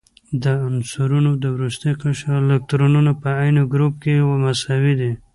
د عنصرونو د وروستي قشر الکترونونه په عین ګروپ کې مساوي دي.